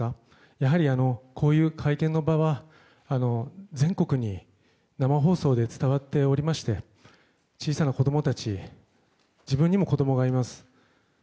やはり、こういう会見の場は全国に生放送で伝わっておりまして小さな子供たち自分にも子供がいます。